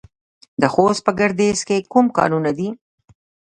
د خوست په ګربز کې کوم کانونه دي؟